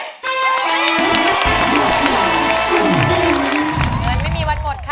เหมือนไม่มีวันหมด